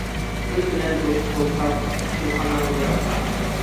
پىل بىلەن دوست بولساڭ، پىلخاناڭنى راسلا.